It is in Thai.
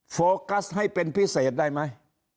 โฟกัสให้เป็นพิเศษได้ไหม